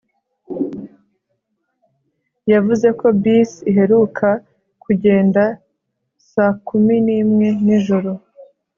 Yavuze ko bisi iheruka kugenda saa kumi nimwe nijoro